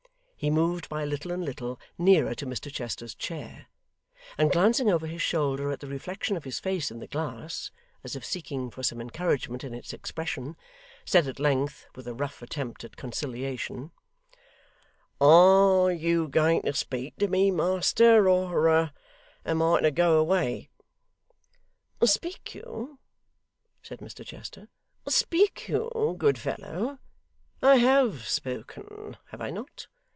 He moved by little and little nearer to Mr Chester's chair, and glancing over his shoulder at the reflection of his face in the glass, as if seeking for some encouragement in its expression, said at length, with a rough attempt at conciliation, 'ARE you going to speak to me, master, or am I to go away?' 'Speak you,' said Mr Chester, 'speak you, good fellow. I have spoken, have I not?